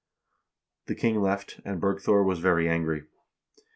The king left, and Bergthor was very angry.